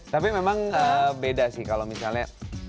tapi memang beda sih kalau misalnya